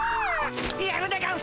やるでゴンス！